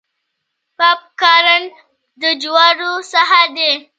پاپ کارن د جوارو څخه دی.